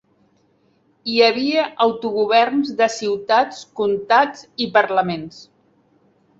Hi havia autogoverns de ciutats, comtats i parlaments.